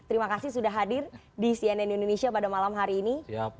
terima kasih sudah hadir di cnn indonesia pada malam hari ini